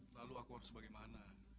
lalu aku harus bagaimana